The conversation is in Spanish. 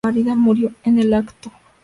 Murió en el acto.